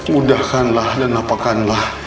mudahkanlah dan lapakanlah